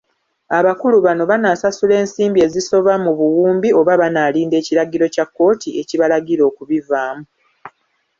Abakulu bano banaasasula ensimbi ezisoba mu buwumbi oba banaalinda ekiragiro kya kkooti ekibalagira okubivaamu?